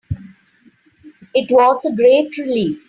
It was a great relief